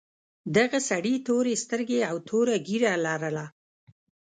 دغه سړي تورې سترګې او تور ږیره لرله.